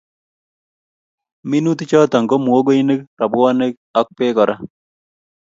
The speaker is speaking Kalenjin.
Minutichoto ko muhogoinik, robwonik ak Bek kora